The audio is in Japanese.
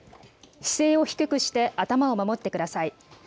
姿勢を低くして頭を守ってください。